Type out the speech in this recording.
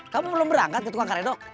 kamu belum berangkat ke tukang karino